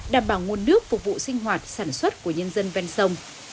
đảm bảo nguồn nước phục vụ sinh hoạt sản xuất của nhân dân ven sông